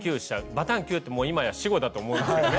バタンキューってもう今や死語だと思うんですけどね。